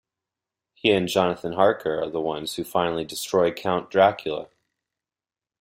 He and Jonathan Harker are the ones who finally destroy Count Dracula.